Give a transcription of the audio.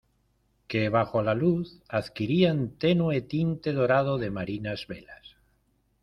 que bajo la luz adquirían tenue tinte dorado de marinas velas.